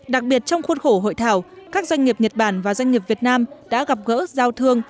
đặc biệt trong khuôn khổ hội thảo các doanh nghiệp nhật bản và doanh nghiệp việt nam đã gặp gỡ giao thương